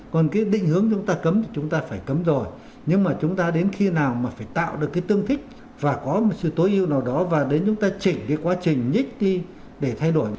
còn cái định hướng chúng ta cấm thì chúng ta phải cấm rồi nhưng mà chúng ta đến khi nào mà phải tạo được cái tương thích và có một sự tối ưu nào đó và đến chúng ta chỉnh cái quá trình nhích đi để thay đổi